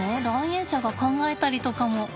来園者が考えたりとかも。